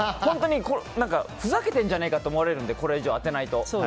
ふざけてるんじゃないかって思われるのでこれ以上、当てないと。